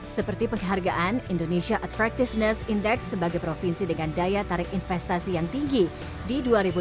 seperti penghargaan indonesia attractiveness index sebagai provinsi dengan daya tarik investasi yang tinggi di dua ribu dua puluh